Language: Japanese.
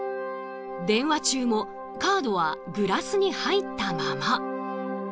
電話中もカードはグラスに入ったまま。